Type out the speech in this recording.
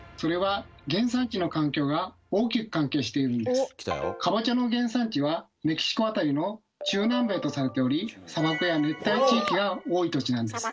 それはかぼちゃの原産地はメキシコ辺りの中南米とされており砂漠や熱帯地域が多い土地なんです。